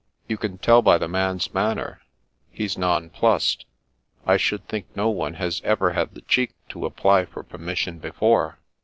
You can tell by the man's man ner. He's nonplussed. I should think no one has ever had the cheek to apply for permission befoi:e."